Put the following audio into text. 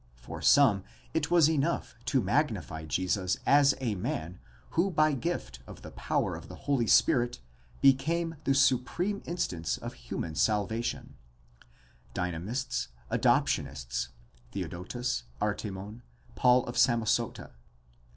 For some it was enough to magnify Jesus as a man who by gift of the power of the Holy Spirit became the supreme instance of human salvation (Dynamists, Adoptionists : Theodotus, Artemon, Paul of Samosata).